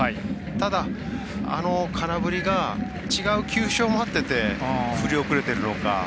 ただ、あの空振りが違う球種を待ってて振り遅れているのか。